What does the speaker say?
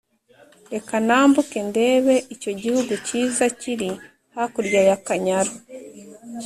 reka nambuke ndebe icyo gihugu cyiza kiri hakurya ya kanyaru